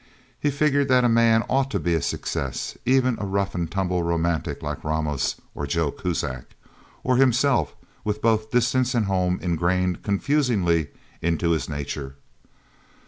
He figured that a man ought to be a success, even a rough and tumble romantic like Ramos, or Joe Kuzak. Or himself, with both distance and home engrained confusingly into his nature.